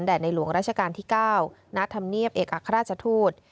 ในหลวงราชการที่๙ณธรรมเนียบเอกอัครราชทูต